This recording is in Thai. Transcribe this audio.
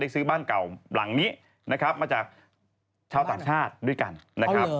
ซื้อบ้านเก่าหลังนี้นะครับมาจากชาวต่างชาติด้วยกันนะครับ